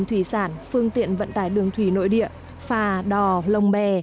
thủy sản phương tiện vận tải đường thủy nội địa phà đò lồng bè